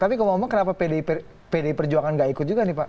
tapi kalau omong kenapa pdi perjuangan tidak ikut juga nih pak